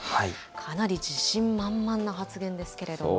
かなり自信満々な発言ですけれども。